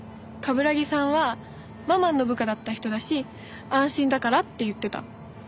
冠城さんはママンの部下だった人だし安心だからって言ってた。